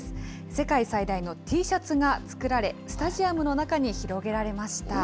世界最大のＴシャツが作られ、スタジアムの中に広げられました。